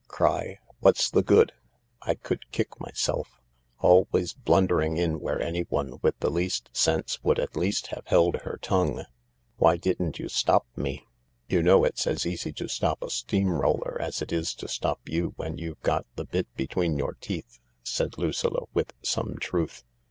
"Cry? What's the good? I could kick myself ! Always blundering in where anyone with the least sense would at least have held her tongue. Why didn't you stop me ?" "You know it's as easy to stop a steam roller as it is to stop you when you've got the bit between your teeth," said Lucilla with some truth.